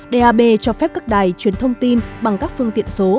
dab cho phép các đài truyền thông tin bằng các phương tiện số